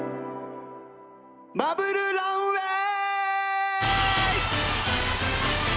バブルランウェイ！